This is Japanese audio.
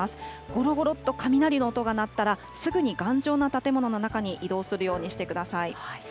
ごろごろっと雷の音が鳴ったら、すぐに頑丈な建物の中に移動するようにしてください。